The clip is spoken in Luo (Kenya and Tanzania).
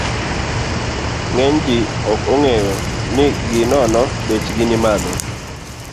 Ng'eny ji ok ong'eyo ni gi nono bechgi ni malo.